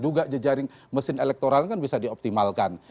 juga jejaring mesin elektoral kan bisa dioptimalkan